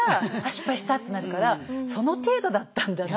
失敗したってなるからその程度だったんだな